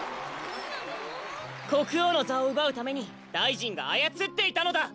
こくおうのざをうばうために大臣があやつっていたのだ！